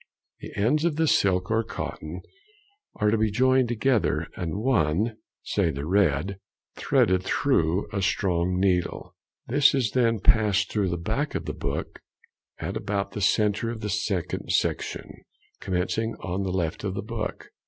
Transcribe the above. The ends of the silk or cotton are to be joined together, and one, say the red, threaded through a strong needle. This is then passed through the back of the book, at about the centre of the second section, commencing on the left of the book.